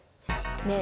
ねえ